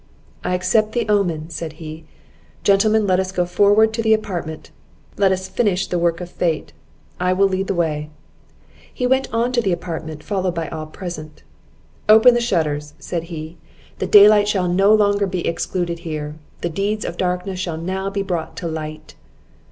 "I accept the omen!" said he. "Gentlemen, let us go forward to the apartment! let us finish the work of fate! I will lead the way." He went on to the apartment, followed by all present. "Open the shutters," said he, "the daylight shall no longer be excluded here; the deeds of darkness shall now be brought to light."